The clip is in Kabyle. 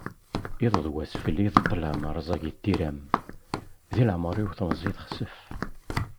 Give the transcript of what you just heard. Iḍ d wass fell-i d ṭṭlam rzagit tiram, di leεmer-iw temẓi texsef.